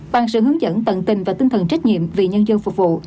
bằng sự hướng dẫn tận tình và tinh thần trách nhiệm vì nhân dân phục vụ